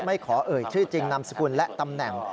ขอเอ่ยชื่อจริงนามสกุลและตำแหน่ง